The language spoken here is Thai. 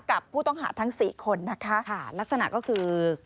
กับผู้ต้องหาทั้งสี่คนนะคะค่ะลักษณะก็คือ